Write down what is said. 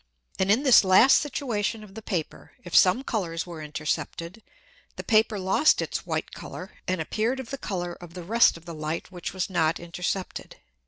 And in this last situation of the Paper, if some Colours were intercepted, the Paper lost its white Colour, and appeared of the Colour of the rest of the Light which was not intercepted.